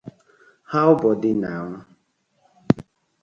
How bodi na?